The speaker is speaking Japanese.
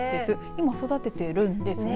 今育てているんですね。